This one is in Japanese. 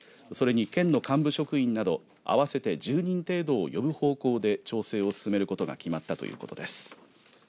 それに県の幹部職員など合わせて１０人程度を呼ぶ方向で調整を進めることが決まったということです。